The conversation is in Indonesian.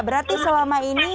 berarti selama ini